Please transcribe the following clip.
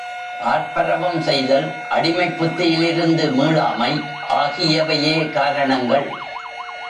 ஆர்ப்பரவம் செய்தல், அடிமைப் புத்தியிலிருந்து மீளாமை ஆகியவையே காரணங்கள்.